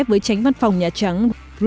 với tránh văn phòng nhà trắng